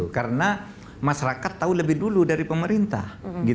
karena masyarakat tahu lebih dulu dari pemerintah